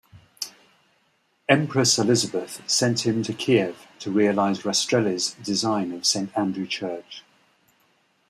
Empress Elizabeth sent him to Kiev to realize Rastrelli's design of Saint Andrew Church.